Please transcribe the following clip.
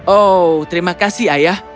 oh terima kasih ayah